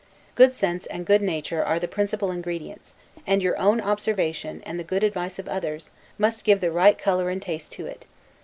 Good sense, and good nature, are the principal ingredients; and your own observation, and the good advice of others, must give the right color and taste to it.